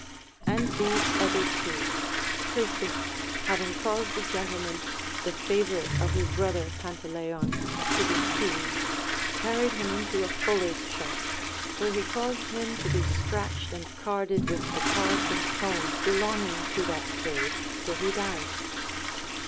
And these other two: Croesus, having caused a gentleman, the favourite of his brother Pantaleon, to be seized, carried him into a fuller's shop, where he caused him to be scratched and carded with the cards and combs belonging to that trade, till he died.